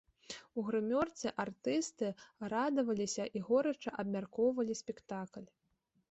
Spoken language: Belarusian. У грымёрцы артысты радаваліся і горача абмяркоўвалі спектакль.